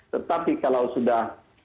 tetapi kalau sudah